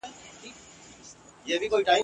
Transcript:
یوه ورځ به داسي راسي چي مي یار په سترګو وینم ..